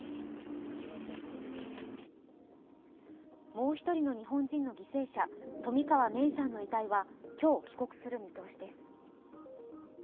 もう１人の日本人の犠牲者、冨川芽生さんの遺体は今日、帰国する見通しです。